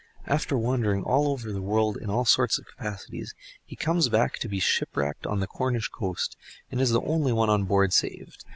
After wandering all over the world in all sorts of capacities, he comes back to be shipwrecked on the Cornish coast, and is the only one on board saved.